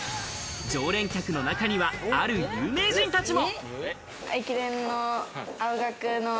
常連客の中には、ある有名人たちも。